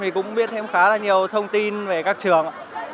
thì cũng biết thêm khá là nhiều thông tin về các trường